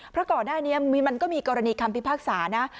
เพราะก่อนหน้านี้มันก็มีกรณีคำพิพากษานะ